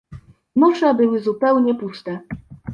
Nosze były zupełnie puste.